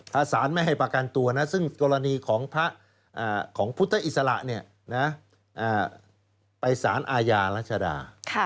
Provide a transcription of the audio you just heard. ถ้าสารไม่ให้ประกันตัวนะซึ่งกรณีของพุทธอิสระไปสารอาญารัชดา